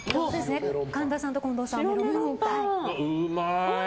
神田さんと近藤さんはメロンパン。